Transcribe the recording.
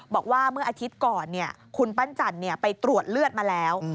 บอกว่าเมื่ออาทิตย์ก่อนคุณปั้นจันทร์ไปตรวจเลือดมาแล้ว